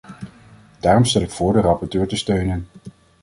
Daarom stel ik voor de rapporteur te steunen.